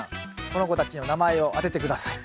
この子たちの名前を当てて下さい。